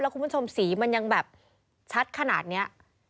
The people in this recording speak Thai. คุณผู้ชมสีมันยังแบบชัดขนาดนี้